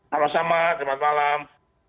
sama sama selamat malam